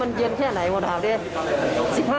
มันเย็นแค่ไหนวันหาวเนี่ย